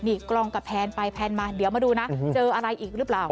นี่กล้องกับแพนไปแพนมาเดี๋ยวมาดูนะเจออะไรอีกหรือเปล่า